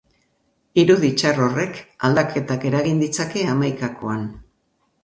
Irudi txar horrek aldaketak eragin ditzake hamaikakoan.